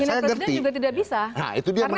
menghina presiden juga tidak bisa